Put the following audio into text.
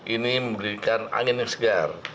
ini memberikan angin yang segar